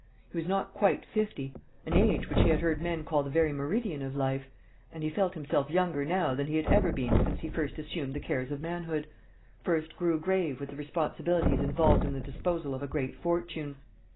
He was not quite fifty, an age which he had heard men call the very meridian of life; and he felt himself younger now than he had ever been since he first assumed the cares of manhood first grew grave with the responsibilities involved in the disposal of a great fortune.